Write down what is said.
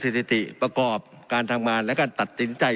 สถิติประกอบการทำงานและการตัดสินใจ